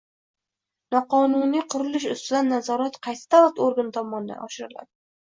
Noqonuniy qurilish ustidan nazorat qaysi davlat organi tomonidan oshiriladi?